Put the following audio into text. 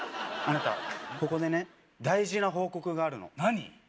あなたここでね大事な報告があるの何？